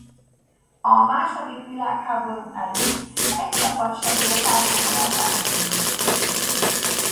A második világháború előtt egy csapat se ért el komolyabb eredményeket.